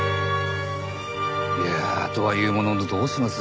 いやあとはいうもののどうします？